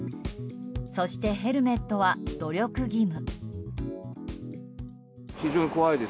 そしてヘルメットは努力義務。